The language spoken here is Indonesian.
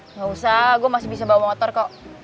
nggak usah gue masih bisa bawa motor kok